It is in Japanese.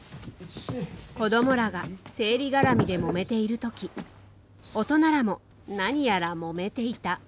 子供らが生理絡みでもめている時大人らも何やらもめていた。